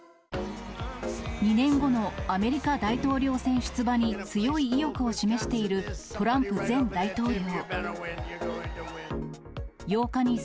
２年後のアメリカ大統領選出馬に強い意欲を示している、トランプ前大統領。